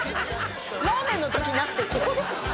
ラーメンの時なくてここで？